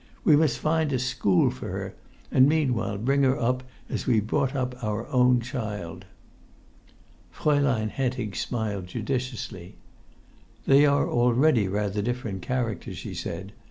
We must find a school for her, and meanwhile bring her up as we've brought up our own child." Fraulein Hentig smiled judiciously. "They are already rather different characters," she said.